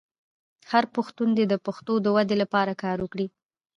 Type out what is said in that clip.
هر پښتون دې د پښتو د ودې لپاره کار وکړي.